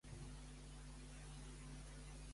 Quin caràcter li atribueix a la nació en un passat?